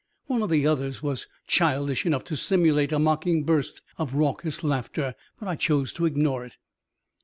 One of the others was childish enough to simulate a mocking burst of raucous laughter, but I chose to ignore it.